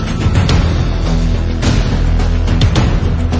สวัสดีครับ